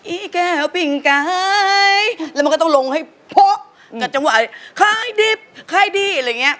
อี้แก่วปิ่งไกลแล้วมันก็ต้องลงให้โพ๊กกับจังหวะไอ้ใครดิบใครดีอะไรเงี้ย